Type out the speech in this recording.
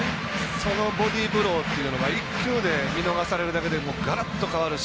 そのボディーブローが１球見逃されるだけでガラッと変わるし。